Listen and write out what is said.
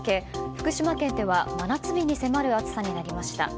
福島県では真夏日に迫る暑さになりました。